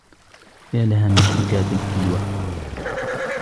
يا لها من فكرة حلوة!